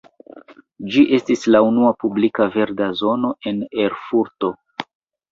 Ĝi estis la unua publika verda zono en Erfurto.